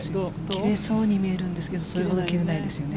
切れそうに見えるんですけどそれほど切れないですよね。